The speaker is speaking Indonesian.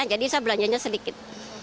jadi saya belanjanya sedikit